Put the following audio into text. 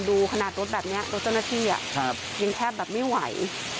ดูขนาดรถแบบนี้รถเจ้าหน้าที่ยังแทบแบบไม่ไหว